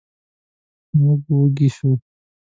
موږ وږي شوو.